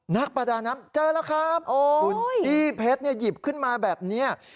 นักประดาน้ำเจอแล้วครับคุณพี่เพชรเนี่ยหยิบขึ้นมาแบบนี้